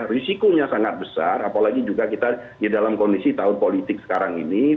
risikonya sangat besar apalagi juga kita di dalam kondisi tahun politik sekarang ini